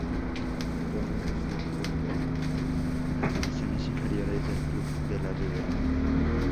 Actualmente se encuentra en las divisiones inferiores del club de La Ribera.